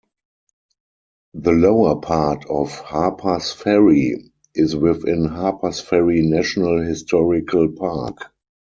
The lower part of Harpers Ferry is within Harpers Ferry National Historical Park.